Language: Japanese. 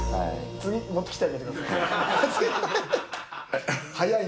次、持ってきてあげてください。